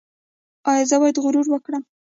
ایا زه باید غرور وکړم؟